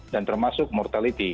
dan termasuk mortality